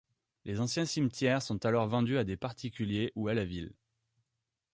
Les anciens cimetières sont alors vendus à des particuliers ou à la ville.